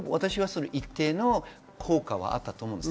一定の効果はあったと思います。